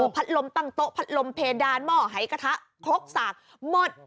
พัดลมตั้งโต๊ะพัดลมเพดานหม้อหายกระทะครกสากหมด